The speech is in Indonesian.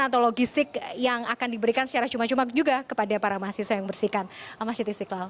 atau logistik yang akan diberikan secara cuma cuma juga kepada para mahasiswa yang bersihkan masjid istiqlal